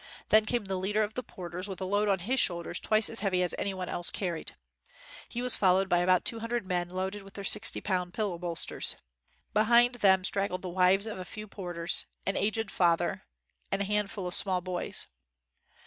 Then came the leader of the porters with a load on his shoulders twice as heavy as any one else carried. He was fol lowed by about two hundred men loaded with their sixty poimd pillow bolsters. Be hind them, straggled the wives of a few por ters, an aged father, and a handful of small boys.